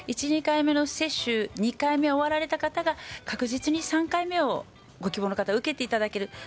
１、２回目の接種で２回目を終わられた方が確実に３回目をご希望の方は受けていただける。